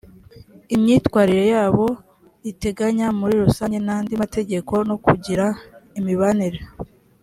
imyitwarire yabo riteganya muri rusange n andi mategeko no kugira imibanire